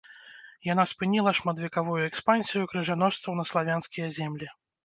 Яна спыніла шматвекавую экспансію крыжаносцаў на славянскія землі.